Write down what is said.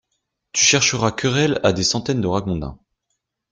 Tu chercheras querelle à des centaines de ragondins!